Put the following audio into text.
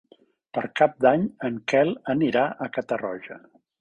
Per Cap d'Any en Quel anirà a Catarroja.